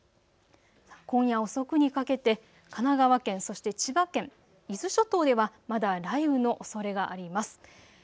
今夜遅くにかけて神奈川県、そして千葉県、伊豆諸島ではまだ雷雨のおそれがあります。